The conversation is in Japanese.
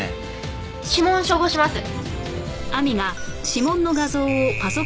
指紋照合します。